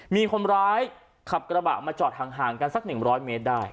มีคนร้ายขับกระบะมาจอดห่างกันสัก๑๐๐เมตรได้